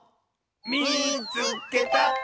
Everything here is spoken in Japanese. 「みいつけた！」。